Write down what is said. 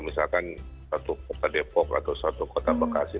misalkan satu kota depok atau satu kota bekasi